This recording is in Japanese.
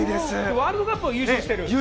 ワールドカップも優勝している。